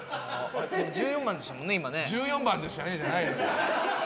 「１４番でしたね」じゃないよ。